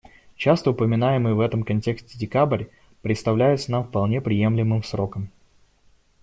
Часто упоминаемый в этом контексте декабрь представляется нам вполне приемлемым сроком.